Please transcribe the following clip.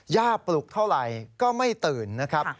ปลุกเท่าไหร่ก็ไม่ตื่นนะครับ